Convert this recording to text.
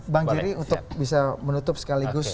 bang jerry untuk bisa menutup sekaligus